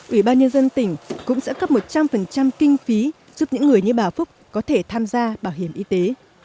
ủy ban nhân dân tỉnh cũng sẽ cấp một trăm linh kinh phí giúp những người như bà phúc có thể tham gia bảo hiểm y tế